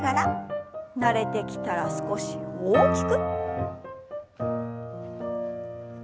慣れてきたら少し大きく。